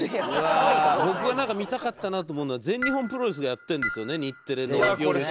僕はなんか見たかったなと思うのは全日本プロレスがやってるんですよね日テレの夜７時。